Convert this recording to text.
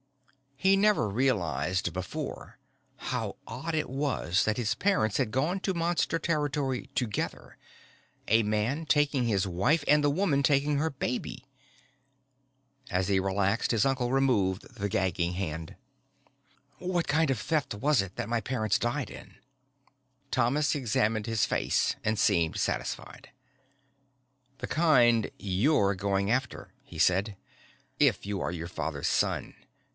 _ He had never realized before how odd it was that his parents had gone to Monster territory together, a man taking his wife and the woman taking her baby! As he relaxed, his uncle removed the gagging hand. "What kind of Theft was it that my parents died in?" Thomas examined his face and seemed satisfied. "The kind you're going after," he said. "If you are your father's son.